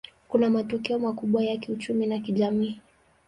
Kuna matokeo makubwa ya kiuchumi na kijamii.